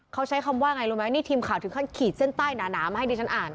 เขาใช้คำว่าไงรู้ไหมนี่ทีมข่าวถึงขั้นขีดเส้นใต้หนามาให้ดิฉันอ่าน